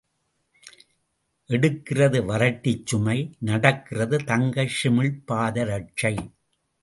எடுக்கிறது வறட்டிச் சுமை நடக்கிறது தங்கச் சிமிழ்ப் பாதரட்சை.